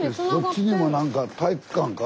そっちにも何か体育館か？